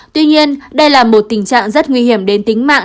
tuy nhiên đây là một tình trạng rất nguy hiểm đến tính mạng